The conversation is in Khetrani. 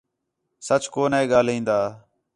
سَچ کُو نے ڳاھلین٘دا